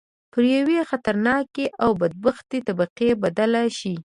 پر یوې خطرناکې او بدبختې طبقې بدل شي.